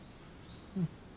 うん。